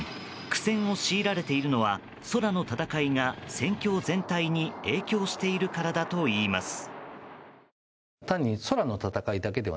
苦戦を強いられているのは空の戦いが戦況全体に影響しているからだといいます。